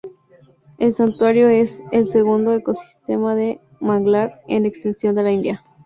El santuario es el segundo ecosistema de manglar en extensión de la India.